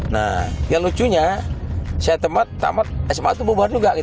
nah yang lucunya saya tamat tamat sma tuh bubar juga gitu